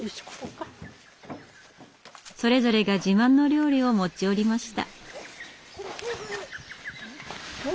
それぞれが自慢の料理を持ち寄りました。